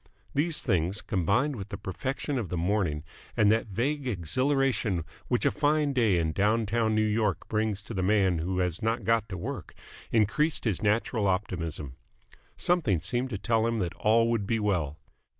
These things, combined with the perfection of the morning and that vague exhilaration which a fine day in down town New York brings to the man who has not got to work, increased his natural optimism. Something seemed to tell him that all would be well.